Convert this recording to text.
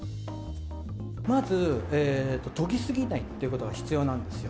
まず、とぎ過ぎないっていうことが必要なんですよ。